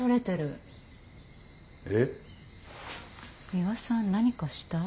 ミワさん何かした？